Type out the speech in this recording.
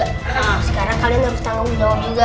sekarang kalian harus tanggung jawab juga